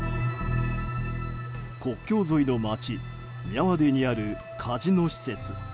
国境沿いの町ミャワディーにあるカジノ施設。